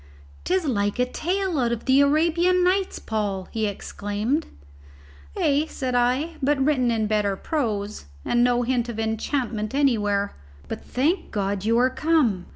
"'Tis like a tale out of the Arabian Nights, Paul," he exclaimed. "Ay," said I, "but written in bitter prose, and no hint of enchantment anywhere. But, thank God, you are come!